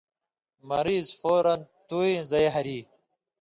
مریض فورًا تُوی زئ ہری۔